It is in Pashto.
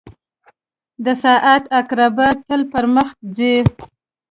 • د ساعت عقربې تل پر مخ ځي.